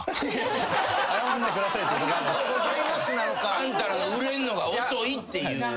あんたらの売れんのが遅いっていう。